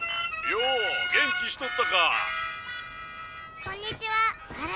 「ようげんきしとったか？」。